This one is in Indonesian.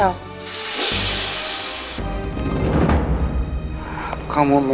ya sudah seharusnya mas menyesal